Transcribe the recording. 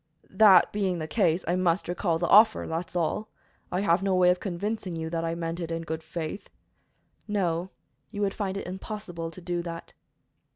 "That being the case, I must recall the offer, that's all. I have no way of convincing you that I meant it in good faith." "No, you would find it impossible to do that."